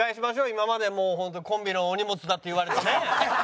今までホントコンビのお荷物だって言われてね。